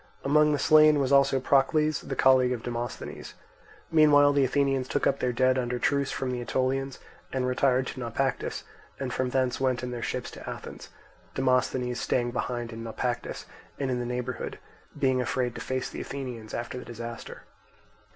Among the slain was also Procles, the colleague of Demosthenes. Meanwhile the Athenians took up their dead under truce from the Aetolians, and retired to Naupactus, and from thence went in their ships to Athens; Demosthenes staying behind in Naupactus and in the neighbourhood, being afraid to face the Athenians after the disaster.